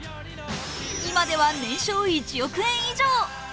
今では年商１億円以上。